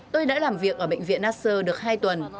tôi đã làm việc ở bệnh viện nasser được hai tuần